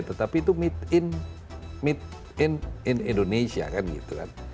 tetapi itu made in indonesia kan gitu kan